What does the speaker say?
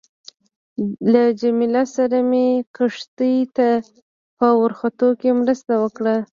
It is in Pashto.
له جميله سره مې کښتۍ ته په ورختو کې مرسته وکړه.